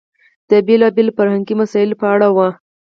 د بېلابېلو فرهنګي مسئلو په اړه و.